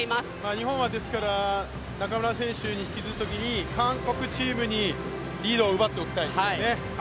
日本は中村選手に引き継ぐときに韓国チームにリードを奪っておきたいですね。